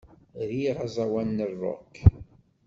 Riɣ aẓawan n rock.